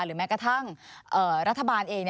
แม้กระทั่งรัฐบาลเอง